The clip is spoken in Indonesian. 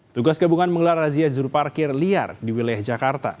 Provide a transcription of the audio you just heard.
tugas gabungan mengelar razia juru parkir liar di wilayah jakarta